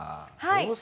はい。